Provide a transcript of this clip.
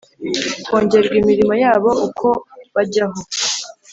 Kongerwa imirimo yabo uko bajyaho